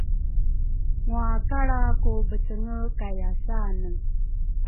Ngwakalra ku becenge kayasane